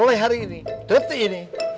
mulai hari ini depti ini